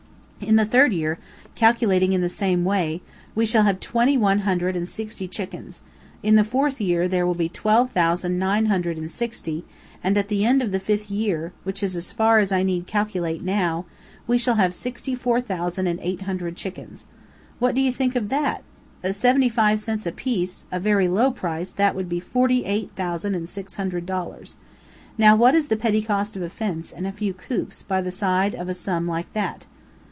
In the third year, calculating in the same safe way, we shall have twenty one hundred and sixty chickens; in the fourth year there will be twelve thousand nine hundred and sixty, and at the end of the fifth year, which is as far as I need to calculate now, we shall have sixty four thousand and eight hundred chickens. What do you think of that? At seventy five cents apiece, a very low price, that would be forty eight thousand and six hundred dollars. Now, what is the petty cost of a fence, and a few coops, by the side of a sum like that?"